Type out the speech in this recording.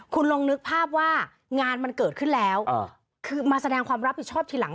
คุณลองนึกภาพว่างานมันเกิดขึ้นแล้วคือมาแสดงความรับผิดชอบทีหลัง